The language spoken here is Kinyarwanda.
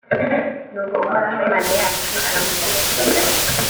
nuko uhoraho imana yacu aramuturekurira